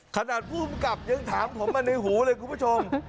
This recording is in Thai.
ขนาดผู้กำกับยังถามผมมาในหูเลยคุณผู้ชม